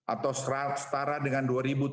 atau setara dengan dua tujuh ratus tiga puluh